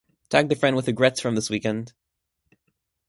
Tag the friend with regrets from this weekend.